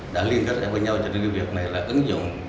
đã liên kết lại với nhau trên cái việc này là ứng dụng